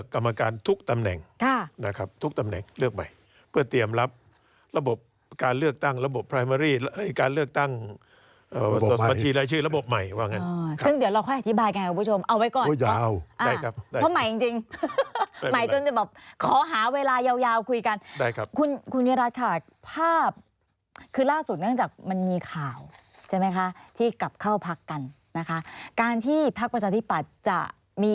ฮ่าฮ่าฮ่าฮ่าฮ่าฮ่าฮ่าฮ่าฮ่าฮ่าฮ่าฮ่าฮ่าฮ่าฮ่าฮ่าฮ่าฮ่าฮ่าฮ่าฮ่าฮ่าฮ่าฮ่าฮ่าฮ่าฮ่าฮ่าฮ่าฮ่าฮ่าฮ่าฮ่าฮ่าฮ่าฮ่าฮ่าฮ่าฮ่าฮ่าฮ่าฮ่าฮ่าฮ่า